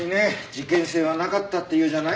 事件性はなかったっていうじゃない。